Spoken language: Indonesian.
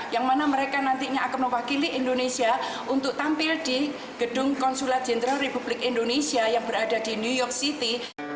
yang mana mereka nantinya akan mewakili indonesia untuk tampil di gedung konsulat jenderal republik indonesia yang berada di new york city